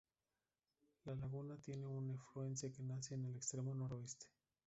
La laguna tiene un efluente que nace en el extremo noreste.